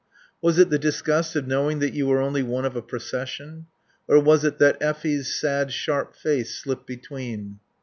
Was it the disgust of knowing that you were only one of a procession? Or was it that Effie's sad, sharp face slipped between?